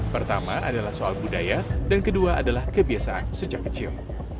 pertama adalah soal budaya dan kedua adalah kebiasaan sejak kecil